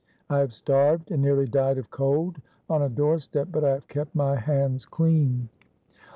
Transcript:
I have starved, and nearly died of cold on a doorstep, but I have kept my hands clean."